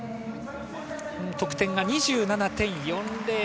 得点は２７．４００。